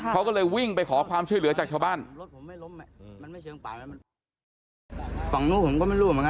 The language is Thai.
เขาก็เลยวิ่งไปขอความชื่อเหลือจากชาวบ้าน